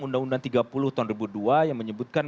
undang undang tiga puluh tahun dua ribu dua yang menyebutkan